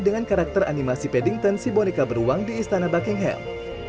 dengan karakter animasi paddington si boneka beruang di istana buckingham